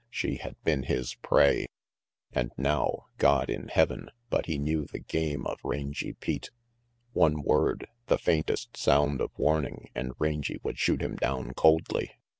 She had been his prey. And now God in Heaven, but he knew the game of Rangy Pete! One word, the faintest sound of warning, and Rangy would shoot him down coldly.